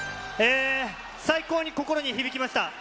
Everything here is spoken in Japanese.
最高に心に響きました。